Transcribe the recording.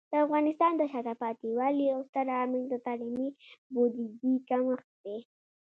د افغانستان د شاته پاتې والي یو ستر عامل د تعلیمي بودیجې کمښت دی.